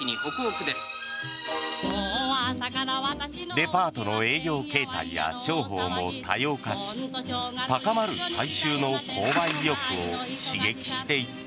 デパートの営業形態や商法も多様化し高まる大衆の購買意欲を刺激していった。